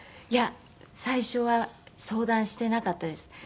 いや最初は相談してなかったです。